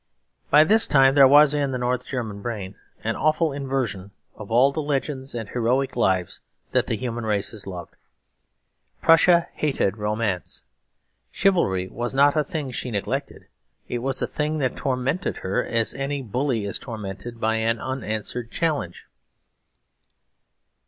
By this time there was in the North German brain an awful inversion of all the legends and heroic lives that the human race has loved. Prussia hated romance. Chivalry was not a thing she neglected; it was a thing that tormented her as any bully is tormented by an unanswered challenge.